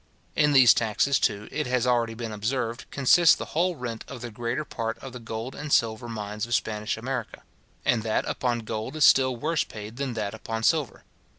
In these taxes, too, it has already been observed, consists the whole rent of the greater part of the gold and silver mines of Spanish America; and that upon gold is still worse paid than that upon silver.